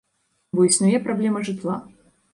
Бо існуе праблема жытла.